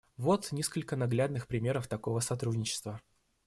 Вот несколько наглядных примеров такого сотрудничества.